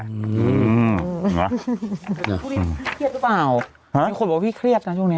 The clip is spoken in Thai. พรุ่งนี้เครียดหรือเปล่ามีคนบอกว่าพี่เครียดนะช่วงนี้